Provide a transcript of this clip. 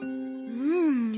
うん。